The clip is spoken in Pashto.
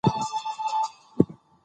زه حلال رزق خوښوم.